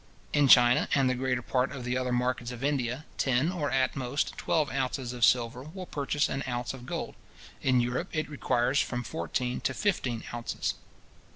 In China, and the greater part of the other markets of India, ten, or at most twelve ounces of silver, will purchase an ounce of gold; in Europe, it requires from fourteen to fifteen ounces.